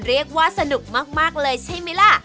เรียกว่าสนุกมากเลยใช่ไหมล่ะ